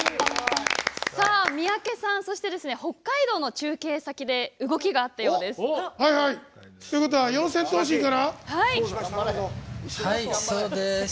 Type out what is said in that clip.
三宅さん、北海道の中継先で動きがあったようです。